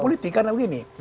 politik karena begini